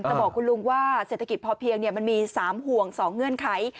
บอกคุณลุงว่าเศรษฐกิจพอเพียงมันมี๓ห่วง๒เงื่อนไข